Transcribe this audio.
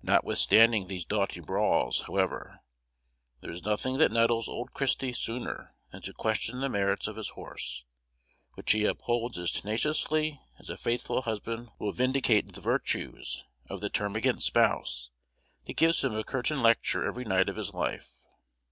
Notwithstanding these doughty brawls, however, there is nothing that nettles old Christy sooner than to question the merits of his horse; which he upholds as tenaciously as a faithful husband will vindicate the virtues of the termagant spouse that gives him a curtain lecture every night of his life.